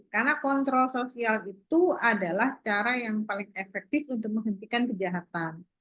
karena kontrol sosial itu adalah cara yang paling efektif untuk menghentikan kejahatan